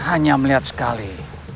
hanya melihat sekali